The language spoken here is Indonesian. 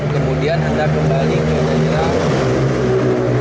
kemudian anda kembali ke tangerang